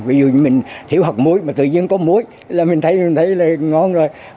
ví dụ như mình thiếu hạt muối mà tự nhiên có muối là mình thấy là ngon rồi